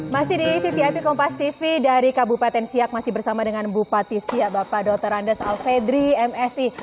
masih di vvip kompas tv dari kabupaten siak masih bersama dengan bupati siak bapak dr andes alfedri msi